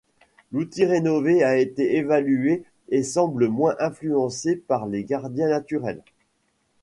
L'outil rénové a été évalué et semble moins influencé par les gradients naturels.